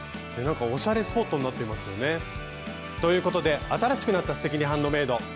なんかおしゃれスポットになっていますよね。ということで新しくなった「すてきにハンドメイド」